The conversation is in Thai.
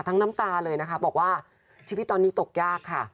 น้ำตาเลยนะคะบอกว่าชีวิตตอนนี้ตกยากค่ะ